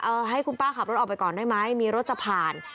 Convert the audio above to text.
ให้คุณป้าขับรถออกไปก่อนได้ไหมมีรถจะผ่าน